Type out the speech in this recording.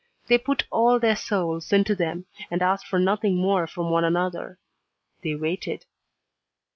They put all their souls into them, and asked for nothing more from one another. They waited.